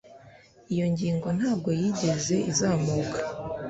iyo ngingo ntabwo yigeze izamuka